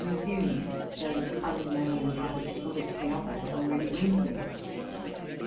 OTe resumed those unmannerly habits from which the other had already weaned me.